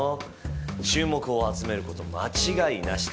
注目を集めること間違いなしだ。